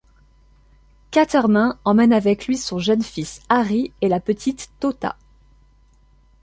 Quatermain emmène avec lui son jeune fils Harry et la petite Tota.